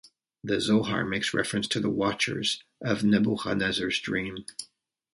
The Zohar makes reference to the "watchers" of Nebuchadnezzar's dream.